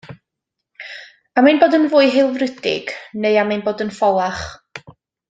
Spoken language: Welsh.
Am ein bod yn fwy haelfrydig, neu am ein bod yn ffolach?